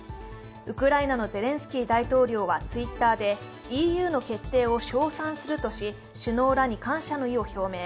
ウクライナのゼレンスキー大統領はＴｗｉｔｔｅｒで、ＥＵの決定を称賛するとし首脳らに感謝の意を表明。